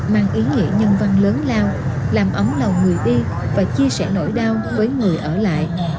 đang ý nghĩa nhân văn lớn lao làm ấm lòng người y và chia sẻ nỗi đau với người ở lại